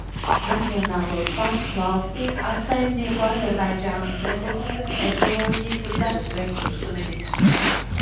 Nacionālos parkus valstī apsaimnieko Azerbaidžānas Republikas Ekoloģijas un dabas resursu ministrija.